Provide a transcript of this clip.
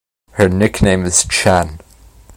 Her nickname is "Chan".